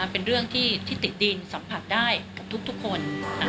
เป็นเรื่องที่ติดดินสัมผัสได้กับทุกคน